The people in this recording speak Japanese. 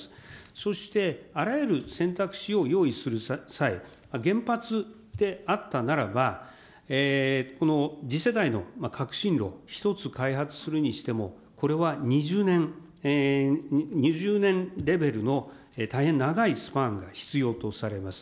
そして、あらゆる選択肢を用意する際、原発であったならば、この次世代の革新炉１つ開発するにしても、これは２０年レベルの大変長いスパンが必要とされます。